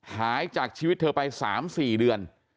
หายจากชีวิตเธอไป๓๔เดือน